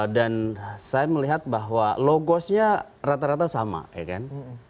dan saya melihat bahwa logosnya rata rata sama ya kan